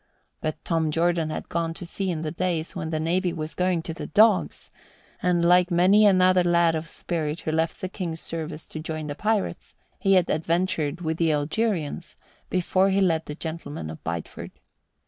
But Tom Jordan had gone to sea in the days when the navy was going to the dogs, and, like many another lad of spirit who left the King's service to join the pirates, he had adventured with the Algerians before he led the gentlemen of Bideford.